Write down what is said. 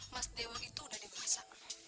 mas dewo itu udah dewasa